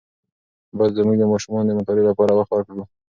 باید زموږ د ماشومانو د مطالعې لپاره وخت ورکړو.